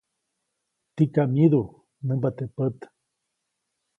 Tikam myidu, nämba teʼ pät.